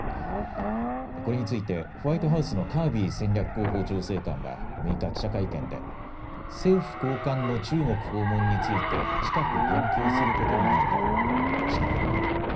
これについてホワイトハウスのカービー戦略広報調整官は６日、記者会見で政府高官の中国訪問について近く言及することになるだろうと述べました。